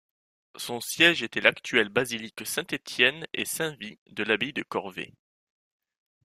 Son siège était l'actuelle basilique Saint-Étienne et Saint-Vit de l'abbaye de Corvey.